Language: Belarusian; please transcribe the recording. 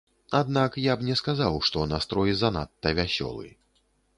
Аднак я б не сказаў, што настрой занадта вясёлы.